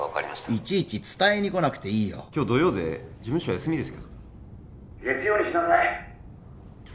いちいち伝えに来なくていいよ今日土曜で事務所休みですけど月曜にしなさいッ